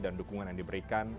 dan dukungan yang diberikan